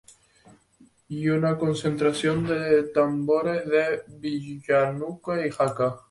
Y una concentración de tambores de Villanúa y Jaca.